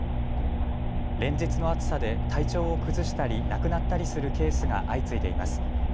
連日の暑さで体調を崩したり亡くなったりするケースが相次いでいます。